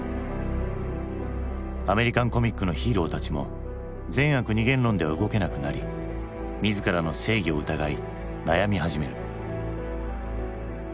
アメリカンコミックのヒーローたちも善悪二元論では動けなくなり自らの正義を疑い悩み始める。